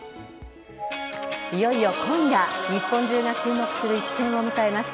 いよいよ今夜日本中が注目する一戦を迎えます。